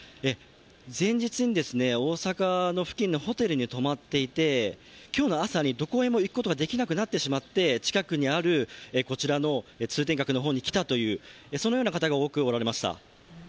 前日に大阪の付近のホテルに泊まっていて、今日の朝にどこへも行くことができなくなってしまって、近くにあるこちらの通天閣の方に来たというそのような方が多く見られました。